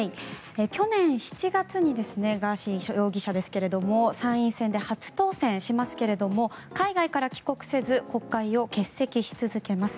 去年７月にガーシー容疑者ですが参院選で初当選しますが海外から帰国せず国会を欠席し続けます。